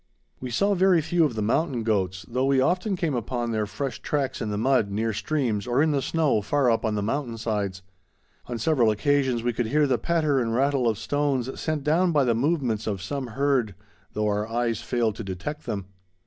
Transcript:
We saw very few of the mountain goats, though we often came upon their fresh tracks in the mud near streams or in the snow far up on the mountain sides. On several occasions we could hear the patter and rattle of stones sent down by the movements of some herd, though our eyes failed to detect them.